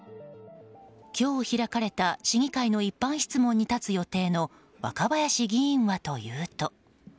今日、開かれた市議会の一般質問に立つ予定の若林議員はというと。